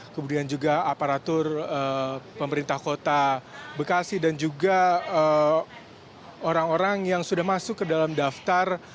kemudian juga aparatur pemerintah kota bekasi dan juga orang orang yang sudah masuk ke dalam daftar